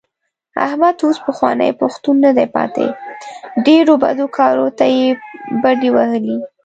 احمد اوس پخوانی پښتون نه دی پاتې. ډېرو بدو کارو ته یې بډې وهلې.